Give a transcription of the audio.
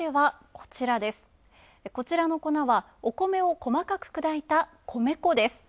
こちらの粉は、お米を細かく砕いた米粉です。